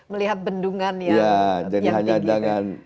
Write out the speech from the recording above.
melihat bendungan yang tinggi